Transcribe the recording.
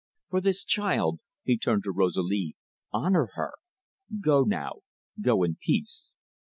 For this child" he turned to Rosalie "honour her! Go now go in peace!"